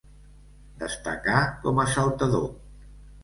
Destacà com a saltador.